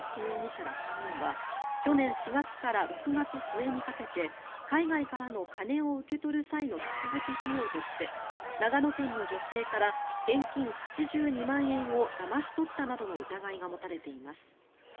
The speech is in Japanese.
容疑者ら３人は去年４月から６月末にかけて海外からの金を受け取る際の手続き費用として長野県の女性から現金８２万円をだまし取ったなどの疑いが持たれています。